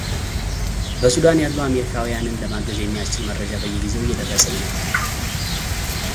በሱዳን ያሉ አሜሪካውያንን ለማገዝ የሚያስችል መረጃ በየጊዜው እየደረሰኝ ነው።